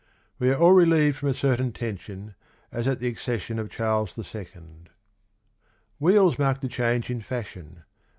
We are all relieved from a certain tension, as at the accession of Charles II. ... 'Wheels' marked a change in fashion.